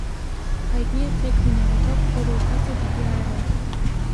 Հայտնի է թեք մինարեթով, որը ուղղված է դեպի արևելք։